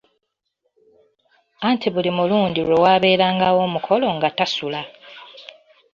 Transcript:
Anti buli mulundi lwe waabeerangawo omukolo nga tasula.